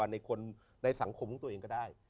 ในคนในสังคมของตัวเองก็ได้